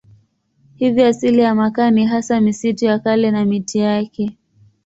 Hivyo asili ya makaa ni hasa misitu ya kale na miti yake.